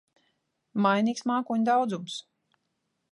Mainīgs mākoņu daudzums.